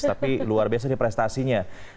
tapi luar biasa prestasinya